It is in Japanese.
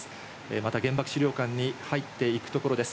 また原爆資料館に入っていくところです。